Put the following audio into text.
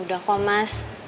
udah kok mas